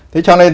thế cho nên